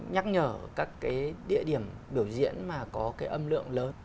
nhắc nhở các cái địa điểm biểu diễn mà có cái âm lượng lớn